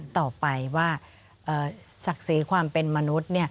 ต่อไปว่าศักดิ์ศรีความเป็นมนุษย์